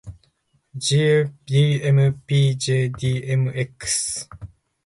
jdmpjdmx